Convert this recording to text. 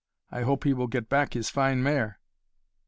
I hope he will get back his fine mare."